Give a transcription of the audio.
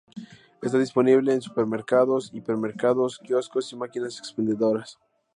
Está disponible en supermercados, hipermercados, quioscos y máquinas expendedoras.